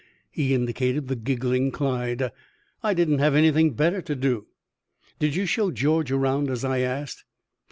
He indicated the giggling Clyde. "I didn't have anything better to do." "Did you show George around, as I asked?"